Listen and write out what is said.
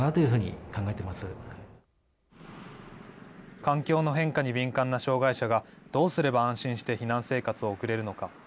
環境の変化に敏感な障害者がどうすれば安心して避難生活を送れるのか。